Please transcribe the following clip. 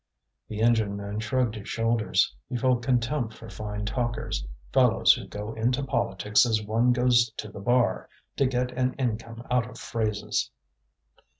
The engine man shrugged his shoulders. He felt contempt for fine talkers, fellows who go into politics as one goes to the bar, to get an income out of phrases.